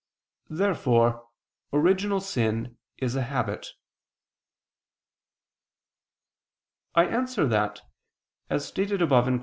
Therefore original sin is a habit. I answer that, As stated above (Q.